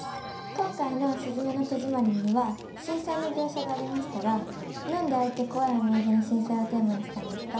今回の「すずめの戸締まり」には震災の描写がありましたが何であえて怖い思い出の震災をテーマにしたんですか？